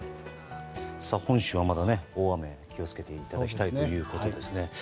本州は、まだ大雨に気を付けていただきたいということですね。